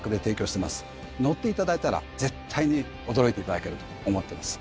乗っていただいたら絶対に驚いていただけると思ってます。